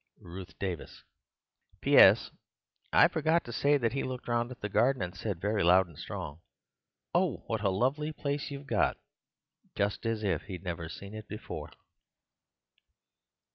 "Ruth Davis. "P.S.—I forgot to say that he looked round at the garden and said, very loud and strong: 'Oh, what a lovely place you've got;' just as if he'd never seen it before."